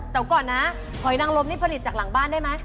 แต่ก่อนนะหอยนังลมนี่ผลิตจากหลังบ้านได้ไหม